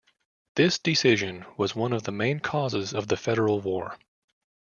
This decision was one of the main causes of the Federal War.